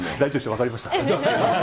分かりましたか？